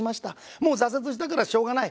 もう挫折したからしょうがない。